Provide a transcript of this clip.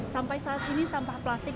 sampai saat ini sampah plastik